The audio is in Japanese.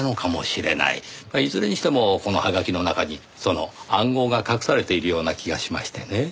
まあいずれにしてもこのハガキの中にその暗号が隠されているような気がしましてねぇ。